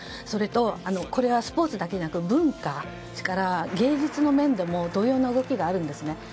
それとこれはスポーツだけではなく文化それから芸術の面でも同様の動きがあるんですね。